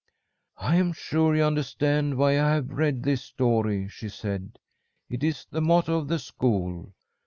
"I am sure you understand why I have read this story," she said. "It is the motto of the school.